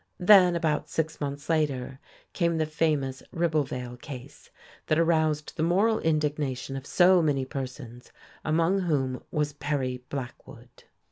Then, about six months later, came the famous Ribblevale case that aroused the moral indignation of so many persons, among whom was Perry Blackwood.